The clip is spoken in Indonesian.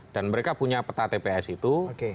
dan mereka punya peta tps itu